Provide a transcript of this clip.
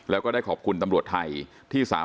แล้วก็ได้ขอบคุณตำรวจไทย